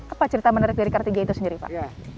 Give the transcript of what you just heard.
apa cerita menarik dari kartiga itu sendiri pak